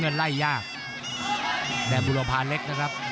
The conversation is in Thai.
เนี่ยเนี่ยแดงบุรภาเล็กนะครับ